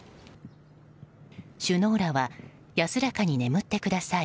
首脳らは「安らかに眠って下さい。